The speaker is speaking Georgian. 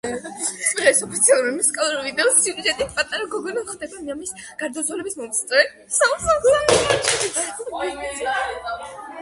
სიმღერის ოფიციალური მუსიკალური ვიდეოს სიუჟეტით, პატარა გოგონა ხდება მამის გარდაცვალების მომსწრე.